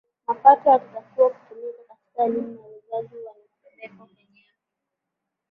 mapato yanatakiwa kutumika katika elimu na uwekezaji yanapelekwa kwenye afya